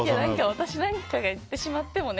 私なんかが言ってしまってもね。